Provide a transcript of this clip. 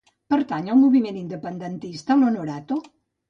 Pertany al moviment independentista l'Onorato?